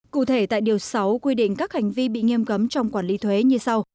cụ thể tại điều sáu quy định các hành vi bị nghiêm cấm trong quản lý thuế như sau